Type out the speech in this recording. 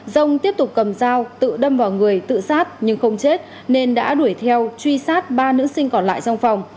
dông tiếp tục cầm dao tự đâm vào người tự sát nhưng không chết nên đã đuổi theo truy sát ba nữ sinh còn lại trong phòng